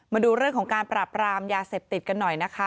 มาดูเรื่องของการปราบรามยาเสพติดกันหน่อยนะคะ